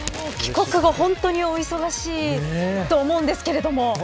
帰国後、本当にお忙しいと思うんですけれども。